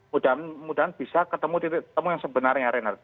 mudah mudahan bisa ketemu titik temu yang sebenarnya reinhardt